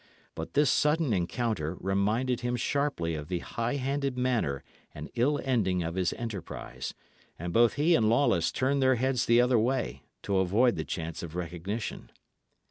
But this sudden encounter reminded him sharply of the high handed manner and ill ending of his enterprise; and both he and Lawless turned their heads the other way, to avoid the chance of recognition.